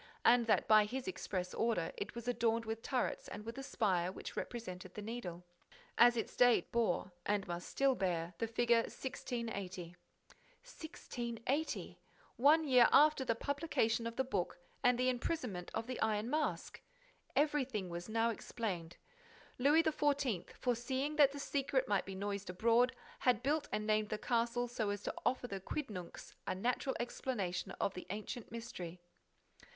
and that, by his express order, it was adorned with turrets and with a spire which represented the Needle. As its date it bore, it must still bear, the figure 1680. 1680! One year after the publication of the book and the imprisonment of the Iron Mask! Everything was now explained: Louis XIV., foreseeing that the secret might be noised abroad, had built and named that castle so as to offer the quidnuncs a natural explanation of the ancient mystery.